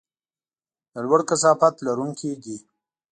د لوړ کثافت لرونکي دي.